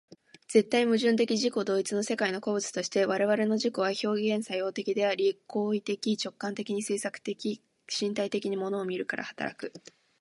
絶対矛盾的自己同一の世界の個物として、我々の自己は表現作用的であり、行為的直観的に制作的身体的に物を見るから働く。